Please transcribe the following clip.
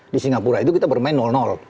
di singapura itu kita bermain